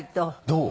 どう？